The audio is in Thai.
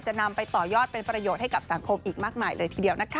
นำไปต่อยอดเป็นประโยชน์ให้กับสังคมอีกมากมายเลยทีเดียวนะคะ